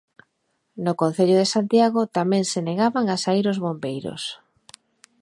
No Concello de Santiago tamén se negaban a saír os bombeiros.